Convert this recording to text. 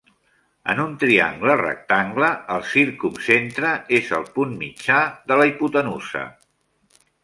En un triangle rectangle, el circumcentre és el punt mitjà de la hipotenusa.